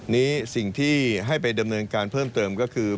สิ่งที่ให้ไปดำเนินการเพิ่มเติมก็คือ